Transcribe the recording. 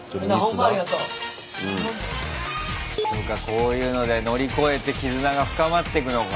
こういうので乗り越えて絆が深まってくのか。